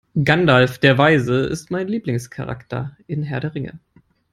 Gandalf der Weise ist mein Lieblingscharakter in Herr der Ringe.